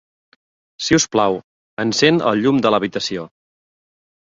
Si us plau, encén el llum de l'habitació.